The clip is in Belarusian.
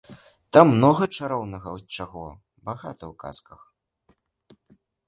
Там многа чароўнага, чаго багата ў казках.